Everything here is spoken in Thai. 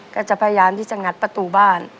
ก็จะพยายามที่จะงัดประตูบ้าน